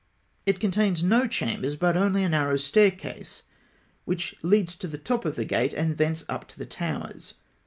It contains no chambers, but only a narrow staircase, which leads to the top of the gate, and thence up to the towers.